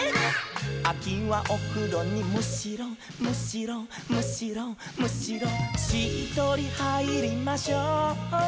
「あきはおふろにむしろむしろむしろむしろ」「しっとりはいりましょう」